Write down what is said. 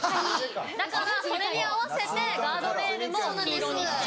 だからそれに合わせてガードレールも黄色にしてます。